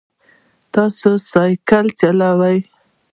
تاسو سایکل چلوئ؟